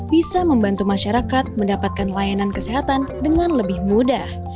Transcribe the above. bisa membantu masyarakat mendapatkan layanan kesehatan dengan lebih mudah